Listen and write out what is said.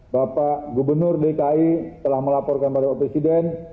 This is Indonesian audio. bapak gubernur dki telah melaporkan pada presiden